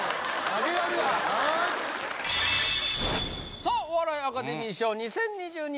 さあお笑いアカデミー賞２０２２